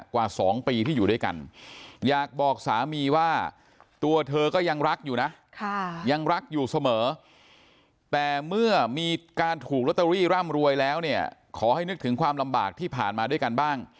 กว่าสองปีที่อยู่ด้วยกัน